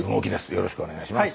よろしくお願いします。